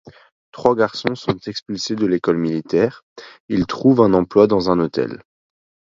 Trois garçons sont expulsés de l'école militaire, ils trouvent un emploi dans un hôtel.